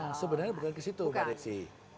nah sebenarnya bukan ke situ mbak desi